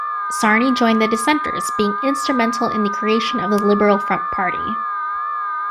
Sarney joined the dissenters, being instrumental in the creation of the Liberal Front Party.